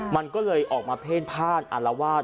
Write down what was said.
มันก็เลยออกมาเพ่นพ่านอารวาส